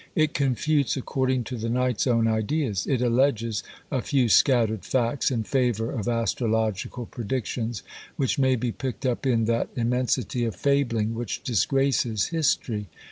It confutes, according to the knight's own ideas: it alleges a few scattered facts in favour of astrological predictions, which may be picked up in that immensity of fabling which disgraces history.